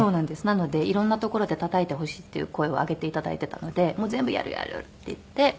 なのでいろんなところでたたいてほしいっていう声を上げていただいていたので全部やるやる！って言って。